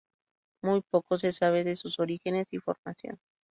Muy poco se sabe de sus orígenes y formación.